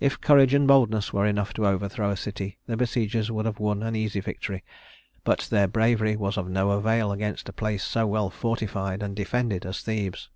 If courage and boldness were enough to overthrow a city, the besiegers would have won an easy victory; but their bravery was of no avail against a place so well fortified and defended as Thebes.